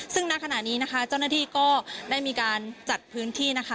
ซึ่งณขณะนี้นะคะเจ้าหน้าที่ก็ได้มีการจัดพื้นที่นะคะ